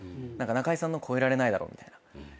中居さんの超えられないだろみたいな。